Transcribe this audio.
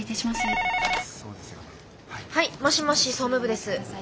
☎はいもしもし総務部です。